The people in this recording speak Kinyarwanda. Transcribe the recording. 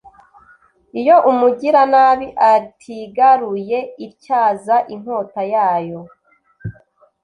Iyo umugiranabi atigaruye ityaza inkota yayo